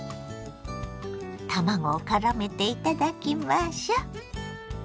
卵をからめていただきましょ。